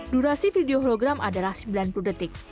durasi video klogram adalah sembilan puluh detik